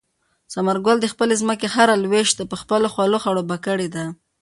ثمر ګل د خپلې ځمکې هره لوېشت په خپلو خولو خړوبه کړې ده.